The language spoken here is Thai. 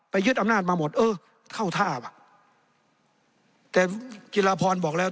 ยึดอำนาจมาหมดเออเข้าท่าว่ะแต่จิลาพรบอกแล้ว